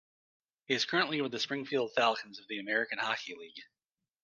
He is currently with the Springfield Falcons of the American Hockey League.